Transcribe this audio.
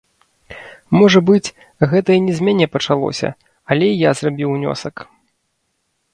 Можа быць, гэта і не з мяне пачалося, але і я зрабіў унёсак.